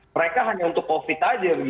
mereka hanya untuk covid aja